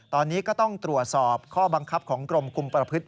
ตอนนี้ก็ต้องตรวจสอบข้อบังคับของกรมคุมประพฤติ